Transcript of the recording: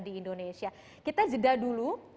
di indonesia kita jeda dulu